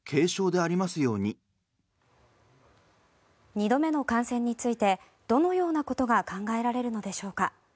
２度目の感染についてどのようなことが考えられるのでしょうか。